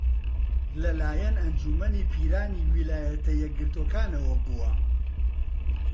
لەلایەن ئەنجوومەنی پیرانی ویلایەتە یەکگرتووەکانەوە بووە